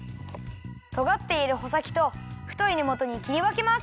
とがっているほさきとふといねもとにきりわけます。